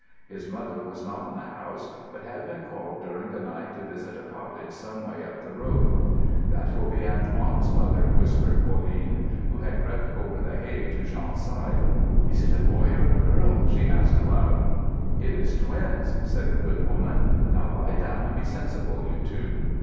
His mother was not in the house, but had been called during the night to visit a cottage some way up the road. "That will be Antoine's mother," whispered Pauline, who had crept over the hay to Jean's side. "Is it a boy or a girl?" she asked aloud. "It is twins," said the good woman. "Now lie down and be sensible, you two."